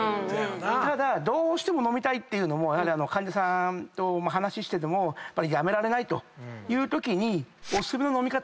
ただどうしても飲みたいというのも患者さんと話しててもやめられないというときにお薦めの飲み方。